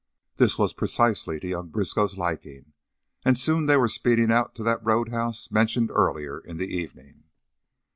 This was precisely to young Briskow's liking, and soon they were speeding out to that road house mentioned earlier in the evening.